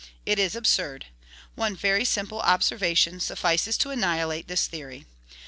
It is absurd. One very simple observation suffices to annihilate this theory.